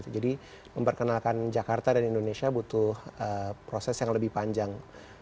memperkenalkan jakarta dan indonesia butuh proses yang lebih panjang